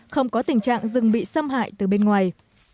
không có tình trạng rừng bị xâm hại từ bên ngoài